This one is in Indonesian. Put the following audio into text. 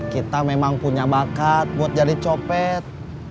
kita memang punya bakat buat jadi copet